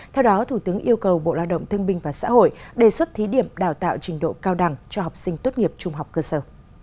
theo đó thủ tướng yêu cầu bộ lao động thương binh và xã hội đề xuất thí điểm đào tạo trình độ cao đẳng cho học sinh tốt nghiệp trung học cơ sở